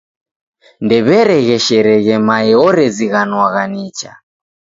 Ndew'eregheshereghe mae orezighanwagha nicha.